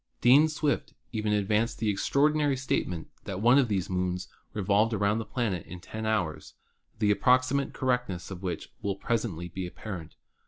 Dean Swift even advanced the extraordinary statement that one of these moons revolved around the planet in 10 hours, the ap proximate correctness of which will presently be appar ent.